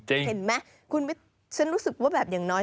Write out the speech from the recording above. เห็นไหมคุณฉันรู้สึกว่าแบบอย่างน้อย